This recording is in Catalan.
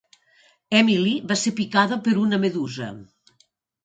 Emily va ser picada per una medusa.